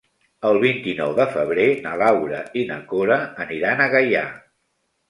El vint-i-nou de febrer na Laura i na Cora aniran a Gaià.